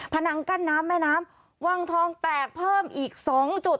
นังกั้นน้ำแม่น้ำวังทองแตกเพิ่มอีก๒จุด